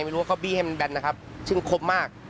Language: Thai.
ไม่รู้ว่าเขาบี้ให้มันแบนนะครับซึ่งครบมาก